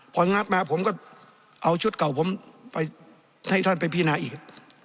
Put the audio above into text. พองัดมาผมก็เอาชุดเก่าผมไปให้ท่านไปพินาอีก